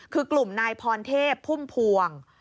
คือกลุ่มนายพรเทพพุ่มพวง